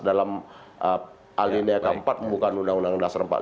dalam alinea ke empat bukan undang undang dasar empat puluh lima